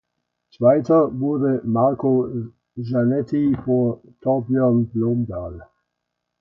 Zweiter wurde Marco Zanetti vor Torbjörn Blomdahl.